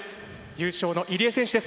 優勝の入江選手です。